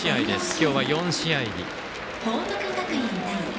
今日は４試合日。